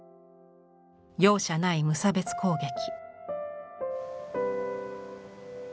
容赦ない無差別攻撃。